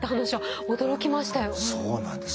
そうなんです。